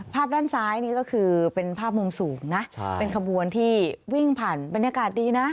ภาพด้านซ้ายนี่ก็คือเป็นภาพมุมสูงนะเป็นขบวนที่วิ่งผ่านบรรยากาศดีนะ